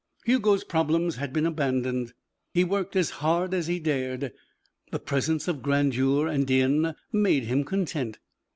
Hugo's problems had been abandoned. He worked as hard as he dared. The presence of grandeur and din made him content.